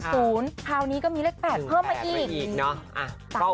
คราวนี้ก็มีเลข๘เพิ่มมากี๊อีก